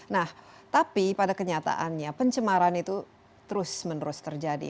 nah tapi pada kenyataannya pencemaran itu terus menerus terjadi